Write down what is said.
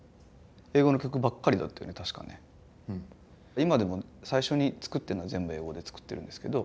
今でも最初に作ってるのは全部英語で作ってるんですけど。